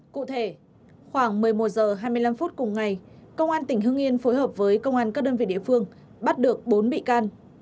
cụ thể khoảng một mươi một h hai mươi năm phút cùng ngày công an tỉnh hưng yên phối hợp với công an các đơn vị địa phương bắt được bốn bị can